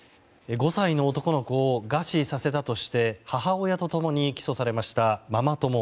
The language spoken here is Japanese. ５歳の男の子を餓死させたとして母親と共に起訴されましたママ友